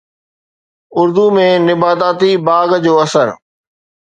اردو ۾ نباتاتي باغ جو اثر